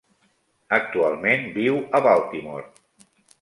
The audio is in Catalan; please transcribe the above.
Actualment viu a Baltimore.